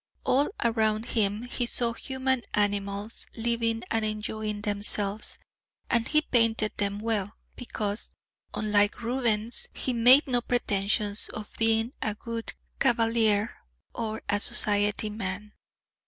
All around him he saw human animals ... living and enjoying themselves, and he painted them well, because, unlike Rubens, he made no pretensions of being a good cavalier or a society man....